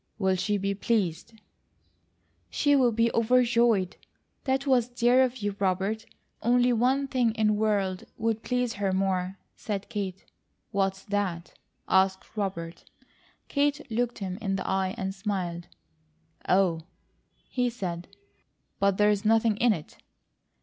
Will she be pleased?" "She'll be overjoyed! That was dear of you, Robert. Only one thing in world would please her more," said Kate. "What's that?" asked Robert. Kate looked him in the eye, and smiled. "Oh," he said. "But there is nothing in it!"